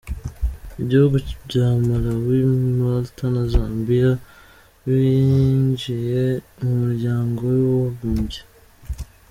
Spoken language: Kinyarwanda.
Ibihugu bya Malawi, Malta na Zambia byinjiye mu muryango w’abibumbye.